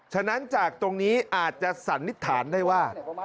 ฉะนั้นจากตรงนี้อาจจะสันนิษฐานได้ว่า